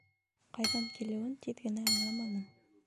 Ҡайҙан килеүен тиҙ генә аңламаным.